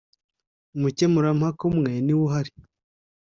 Umukemurampaka umwe niwe uhari.